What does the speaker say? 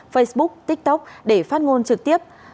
facebook tiktok để phát ngôn trực tiếp